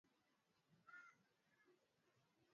Na Kiingereza kinachoiita Gemani watu wengine hulichukua